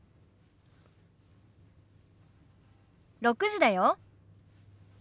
６時だよ。